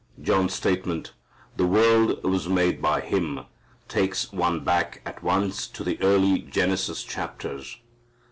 John's statement, "the world was made by Him," takes one back at once to the early Genesis chapters.